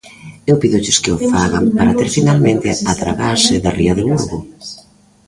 Eu pídolles que o fagan, para ter finalmente a dragaxe da ría do Burgo.